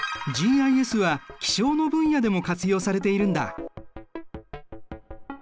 ＧＩＳは気象の分野でも活用されているんだ。